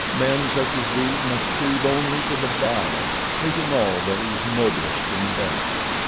Men such as they must cleave only to the vile, hating all that is noblest and best."